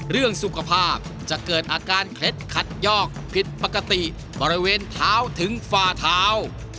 เรื่องสุขภาพจะเกิดอาการเคล็ดขัดยอกผิดปกติบริเวณเท้าถึงฝ่าเท้า